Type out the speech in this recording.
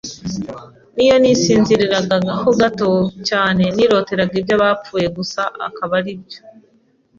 n’iyo nasinziraga ho gato cyane niroteraga iby’abapfuye gusa akaba ari byo